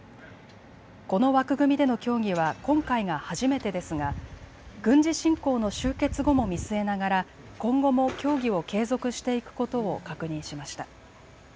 この枠組みでの協議は今回が初めてですが軍事侵攻の終結後も見据えながら今後も協議を継続していくことを確認しました。